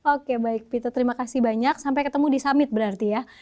oke baik peter terima kasih banyak sampai ketemu di summit berarti ya